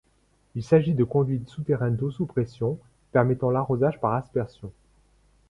Il s’agit de conduites souterraines d’eau sous pression, permettant l’arrosage par aspersion.